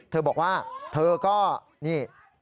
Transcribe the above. เธอบอกว่าเธอก็นี่